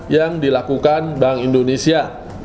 yang dilakukan bank indonesia